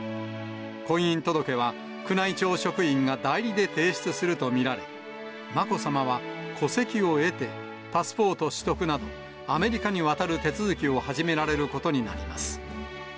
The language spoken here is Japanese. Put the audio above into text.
婚姻届は宮内庁職員が代理で提出すると見られ、まこさまは戸籍を得て、パスポート取得など、アメリカに渡る手続きを始められることになります。